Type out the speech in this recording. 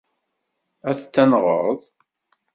Ad t-tenɣeḍ?